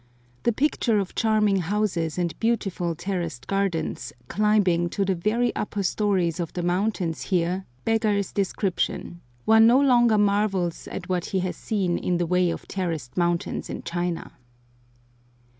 The picture of charming houses and beautiful terraced gardens climbing to the very upper stories of the mountains here beggars description; one no longer marvels at what he has seen in the way of terraced mountains in China.